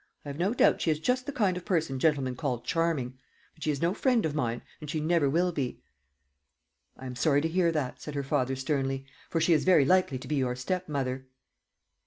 I have no doubt she is just the kind of person gentlemen call charming; but she is no friend of mine, and she never will be." "I am sorry to hear that," said her father sternly; "for she is very likely to be your stepmother."